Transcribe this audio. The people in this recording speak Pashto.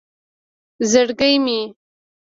زرگی مې